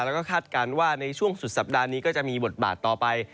แล้วก็คาดการณ์ว่าในช่วงสุดสัปดาห์นี้ก็จะมีบทบาทต่อไป